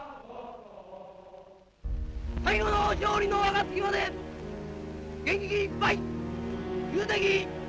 最後の勝利の暁まで元気いっぱいきゅう敵